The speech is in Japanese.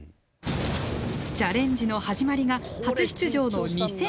チャレンジの始まりが初出場の２００９年。